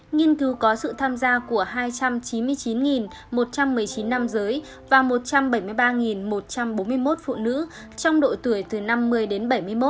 nghiên cứu có sự tham gia của hai trăm chín mươi chín một trăm một mươi chín nam giới và một trăm bảy mươi ba một trăm bốn mươi một phụ nữ trong độ tuổi từ năm mươi đến bảy mươi một